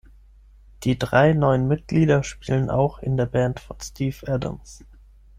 Die drei neuen Mitglieder spielen auch in der Band von Steve Adams.